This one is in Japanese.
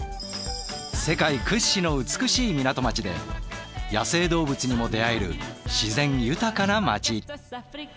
世界屈指の美しい港町で野生動物にも出会える自然豊かな町。